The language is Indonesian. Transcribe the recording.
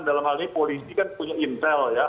dalam hal ini polisi kan punya intel ya